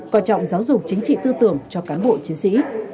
coi trọng giáo dục chính trị tư tưởng cho cán bộ chiến sĩ